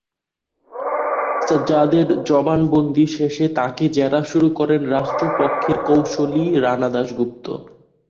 সাজ্জাদের জবানবন্দি শেষে তাঁকে জেরা শুরু করেন রাষ্ট্রপক্ষের কৌঁসুলি রানা দাশগুপ্ত।